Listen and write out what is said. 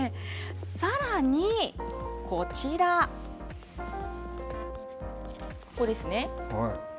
さらにこちら、ここですね。